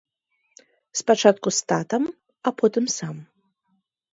Спачатку з татам, а потым сам.